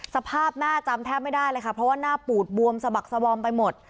สภาพหน้าจำแทบไม่ได้เลยค่ะเพราะว่าหน้าปูดบวมสะบักสบอมไปหมด